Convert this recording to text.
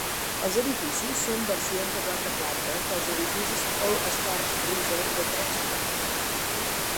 Els edificis són versions de quatre plantes dels edificis All-Star Resort de tres plantes.